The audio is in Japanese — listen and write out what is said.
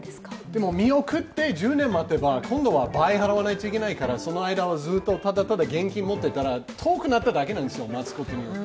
でも、見送って１０年待てば今度は倍、払わないといけないからその間、ただただ現金持ってたら遠くなっただけなんですよ。